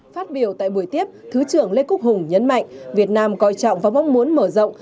phát biểu tại buổi tiếp thứ trưởng lê quốc hùng nhấn mạnh việt nam coi trọng và mong muốn mở rộng